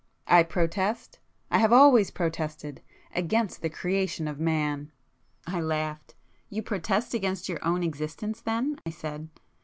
I protest—I have always protested,—against the creation of Man!" I laughed. "You protest against your own existence then!" I said.